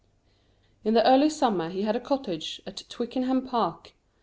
In the early summer he had a cottage at Twickenham Park.